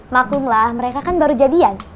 maklumlah mereka kan baru jadian